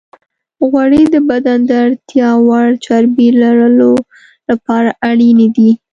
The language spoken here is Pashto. غوړې د بدن د اړتیا وړ چربی لرلو لپاره اړینې دي.